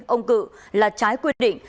ông cựu là trái quy định